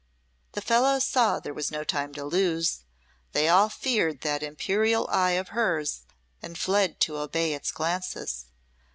The fellow saw there was no time to lose. They all feared that imperial eye of hers and fled to obey its glances.